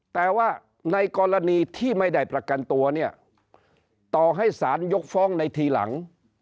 แต่ว่าในกรณีที่ไม่ได้ประกันตัวเนี่ยต่อให้สารยกฟ้องในทีหลัง